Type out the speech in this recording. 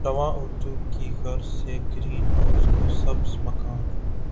رواں اردو کی غرض سے گرین ہاؤس کو سبز مکان